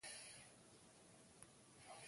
ډیوې د کلي په منځ کې څراغونه بل کړل.